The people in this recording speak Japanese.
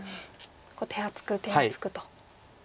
手厚く手厚くと。